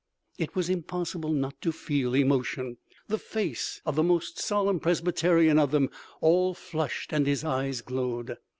It was impossible not to feel emotion. The face of the most solemn Presbyterian of them all flushed and his eyes glowed.